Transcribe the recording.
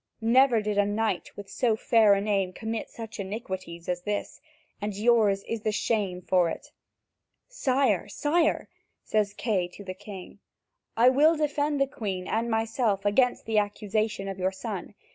Never did a knight with so fair a name commit such iniquities as this, and yours is the shame for it." "Sire, sire," says Kay to the king, "I will defend the Queen and myself against the accusation of your son.